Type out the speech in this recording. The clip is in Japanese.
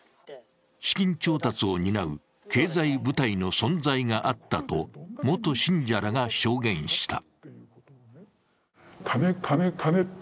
資金調達を担う経済部隊の存在があったと元信者らが証言した。